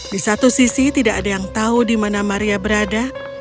di satu sisi tidak ada yang tahu di mana maria berada